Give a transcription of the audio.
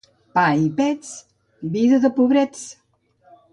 Pa i pets... vida de pobrets!